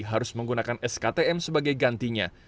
harus menggunakan sktm sebagai gantinya